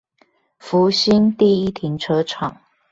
福興第一停車場